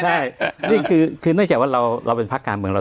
ใช่นี่คือเนื่องจากว่าเราเป็นภาคการเมืองเรา